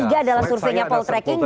tiga adalah surveinya call tracking